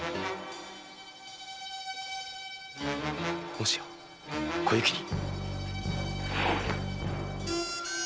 もしや小雪に！